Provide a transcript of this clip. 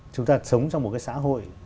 chúng ta sống trong một cái xã hội